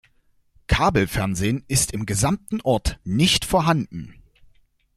Kabelfernsehen ist im gesamten Ort nicht vorhanden.